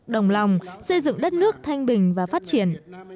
đồng lòng xây dựng đất nước thanh bình và phát triển